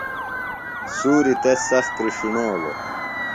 سُوریۡ تس سخت کِرݜݨولوۡ